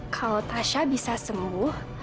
kalau tasya bisa sembuh